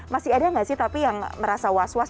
masih ada nggak sih tapi yang merasa was was